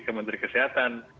ke menteri kesehatan